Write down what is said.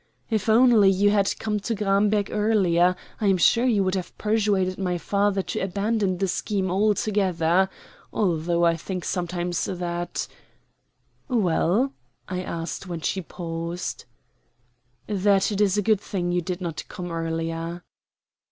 "If only you had come to Gramberg earlier, I am sure you would have persuaded my father to abandon the scheme altogether; although I think sometimes that " "Well?" I asked when she paused. "That it is a good thing you did not come earlier."